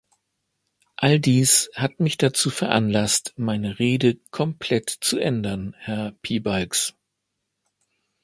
All dies hat mich dazu veranlasst, meine Rede komplett zu ändern, Herr Piebalgs.